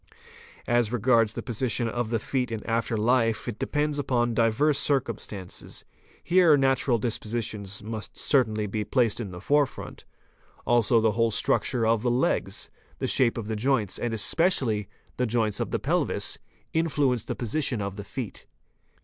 As regards the position of the feet in after lfe it depends upon diverse circumstances. Here natural dispositions must certainly be placed in the fore front. Also the whole structure of the legs, the shape of the joints and especially the joints of the pelvis, influence the position of the feet.